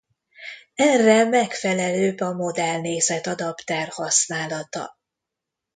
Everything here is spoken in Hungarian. Erre megfelelőbb a modell-nézet-adapter használata.